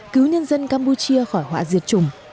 cứu nhân dân campuchia khỏi họa diệt chủng